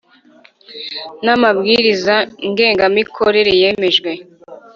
n amabwiriza ngengamikorere yemejwe